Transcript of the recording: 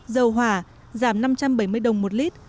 dầu hỏa giảm năm trăm bảy mươi đồng một lít